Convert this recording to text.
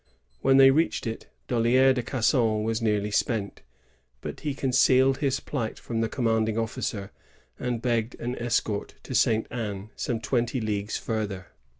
When they reached it, Dollier de Casson was nearly spent; but he concealed his plight from the commanding officer, and begged an escort to St. Anne, some twenty leagues farther.